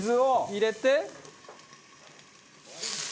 入れて。